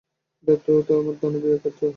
এটা তোমার দানবীয় ক্ষেত্র।